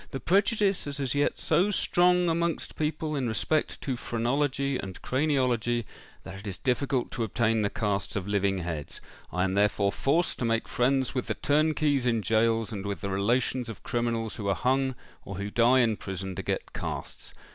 "The prejudice is as yet so strong amongst people, in respect to phrenology and craniology, that it is difficult to obtain the casts of living heads: I am therefore forced to make friends with the turnkeys in gaols and with the relations of criminals who are hung or who die in prison, to get casts.